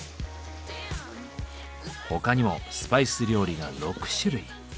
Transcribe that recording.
他にもスパイス料理が６種類。